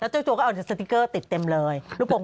เจ้าตัวก็เอาสติ๊กเกอร์ติดเต็มเลย